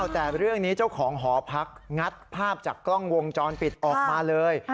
แต่เรื่องนี้เจ้าของหอพักงัดภาพจากกล้องวงจรปิดออกมาเลย